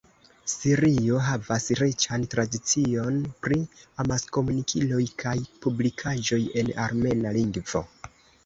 Sirio havas riĉan tradicion pri amaskomunikiloj kaj publikaĵoj en armena lingvo.